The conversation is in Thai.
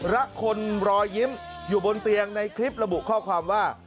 และคนรอยยิ้มอยู่บนเตียงในคลิประบุข้อความว่า